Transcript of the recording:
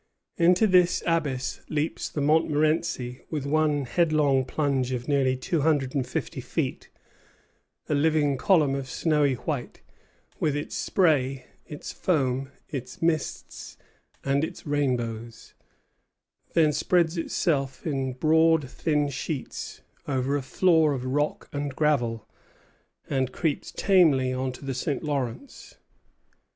Into this abyss leaps the Montmorenci with one headlong plunge of nearly two hundred and fifty feet, a living column of snowy white, with its spray, its foam, its mists, and its rainbows; then spreads itself in broad thin sheets over a floor of rock and gravel, and creeps tamely to the St. Lawrence.